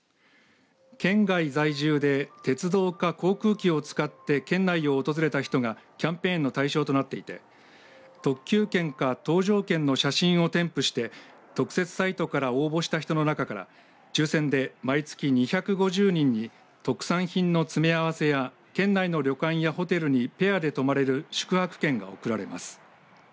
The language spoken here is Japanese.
県外在住で鉄道か航空機を使って県内を訪れた人がキャンペーンの対象となっていて特急券か搭乗券の写真を添付して特設サイトから応募した人の中から抽せんで毎月２５０人に特産品の詰め合わせや県内の旅館やホテルにペアで泊まれる宿泊券が贈られます。